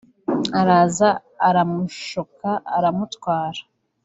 araza aramushuka aramutwara